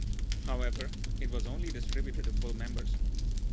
However, it was only distributed to full members.